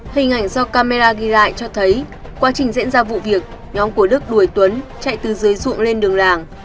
hình ảnh do camera ghi lại cho thấy quá trình diễn ra vụ việc nhóm của đức đuổi tuấn chạy từ dưới ruộng lên đường làng